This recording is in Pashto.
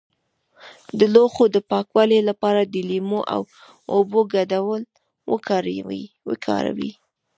د لوښو د پاکوالي لپاره د لیمو او اوبو ګډول وکاروئ